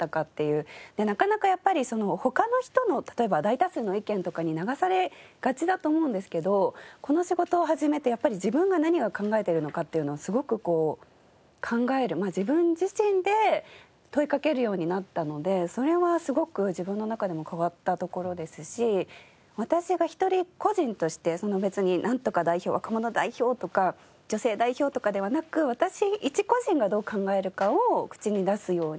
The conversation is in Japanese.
なかなかやっぱり他の人の例えば大多数の意見とかに流されがちだと思うんですけどこの仕事を始めて自分が何を考えてるのかっていうのをすごく考える自分自身で問いかけるようになったのでそれはすごく自分の中でも変わったところですし私が個人として別になんとか代表若者代表とか女性代表とかではなく私一個人がどう考えるかを口に出すようにはしてますね。